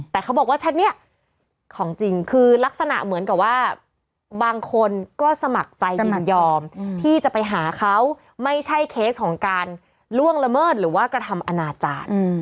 แต่เขาบอกว่าแชทนี้ของจริงคือลักษณะเหมือนกับว่าบางคนก็สมัครใจยินยอมที่จะไปหาเขาไม่ใช่เคสของการล่วงละเมิดหรือว่ากระทำอนาจารย์